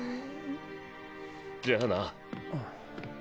じゃあな。